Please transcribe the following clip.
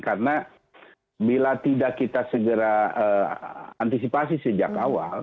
karena bila tidak kita segera antisipasi sejak awal